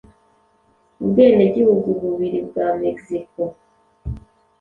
ubwenegihugu bubiri bwa Mexico